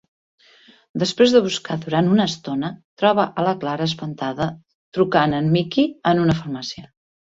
Després de buscar durant una estona, troba a la Clara espantada trucant a en Mickey en una farmàcia.